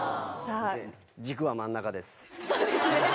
そうですね